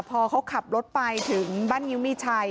พอเขาขับรถไปถึงบ้านงิ้วมีชัย